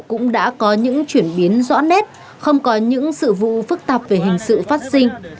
cũng đã có những chuyển biến rõ nét không có những sự vụ phức tạp về hình sự phát sinh